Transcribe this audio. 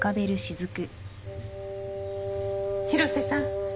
広瀬さん